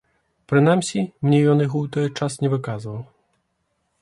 Прынамсі, мне ён іх у той час не выказваў.